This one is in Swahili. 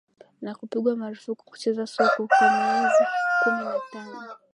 Na kupigwa marafuku kucheza soka kwa miezi kumi na tano